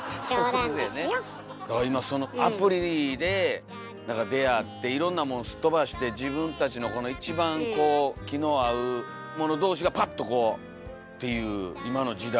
今アプリで出会っていろんなもんすっとばして自分たちの一番気の合う者同士がパッとこうっていう今の時代。